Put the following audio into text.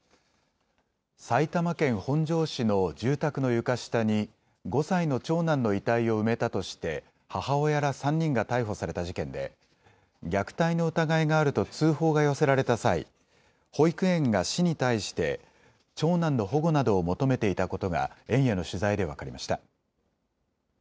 埼玉県本庄市の住宅の床下に５歳の長男の遺体を埋めたとして母親ら３人が逮捕された事件で虐待の疑いがあると通報が寄せられた際、保育園が市に対して長男の保護などを求めていたことが園への取材で分かりました。